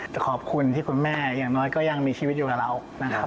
แต่ขอบคุณที่คุณแม่อย่างน้อยก็ยังมีชีวิตอยู่กับเรานะครับ